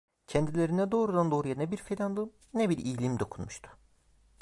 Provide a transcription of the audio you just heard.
Kendilerine doğrudan doğruya ne bir fenalığım, ne bir iyiliğim dokunmuştu.